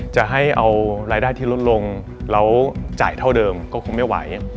จะให้เอารายได้ที่ลดลงแล้วจ่ายเท่าเดิมก็คงไม่ไหว